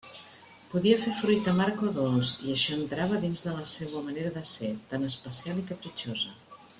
Podia fer fruit amarg o dolç, i això entrava dins de la seua manera de ser, tan especial i capritxosa.